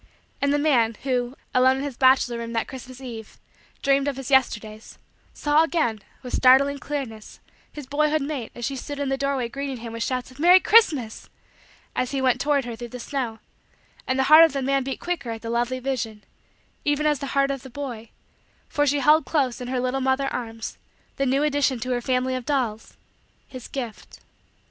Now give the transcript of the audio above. And the man, who, alone in his bachelor room that Christmas eve, dreamed of his Yesterdays, saw again, with startling clearness, his boyhood mate as she stood in the doorway greeting him with shouts of, "Merry Christmas," as he went toward her through the snow; and the heart of the man beat quicker at the lovely vision even as the heart of the boy for she held, close in her little mother arms, the new addition to her family of dolls his gift.